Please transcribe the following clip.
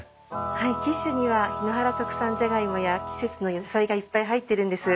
はいキッシュには檜原特産じゃがいもや季節の野菜がいっぱい入ってるんです。